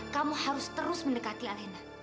kamu harus terus mendekati alenna